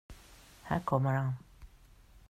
Här kommer han.